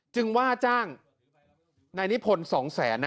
จึงว่าจ้างในนิพนธ์๒แสนนะ